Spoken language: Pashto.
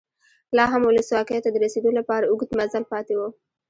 لا هم ولسواکۍ ته د رسېدو لپاره اوږد مزل پاتې و.